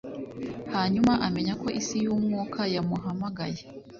hanyuma amenya ko isi yumwuka yamuhamagaye